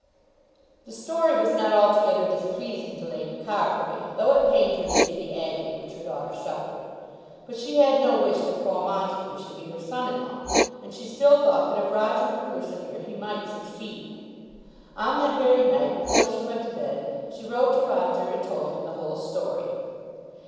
The story was not altogether displeasing to Lady Carbury, though it pained her to see the agony which her daughter suffered. But she had no wish that Paul Montague should be her son in law, and she still thought that if Roger would persevere he might succeed. On that very night before she went to bed she wrote to Roger, and told him the whole story.